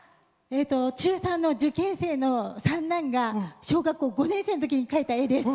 中３の受験生の三男が小学校５年生のときに書いたものです。